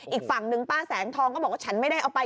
อีกฝั่งหนึ่งป้าแสงทองก็บอกว่าฉันไม่ได้เอาไป